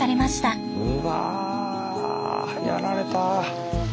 うわやられた。